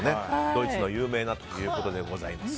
ドイツの有名なということでございます。